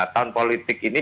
tahun politik ini